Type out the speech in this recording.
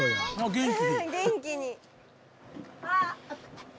元気に。